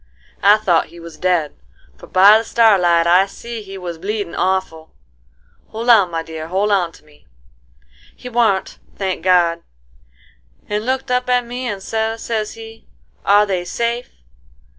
I thought he was dead, for by the starlight I see he was bleedin' awful,—hold on, my dear, hold on to me,—he warn't, thank God, and looked up at me and sez, sez he, 'Are they safe?